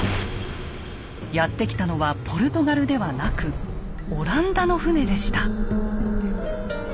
やって来たのはポルトガルではなくオランダの船でした。